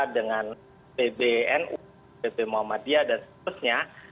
dengan pbnu pp muhammadiyah dan seterusnya